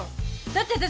だって私。